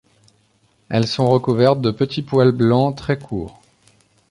Elles sont recouvertes de petits poils blancs très courts.